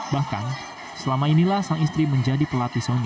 bahkan selama inilah sang istri menjadi pelatih sony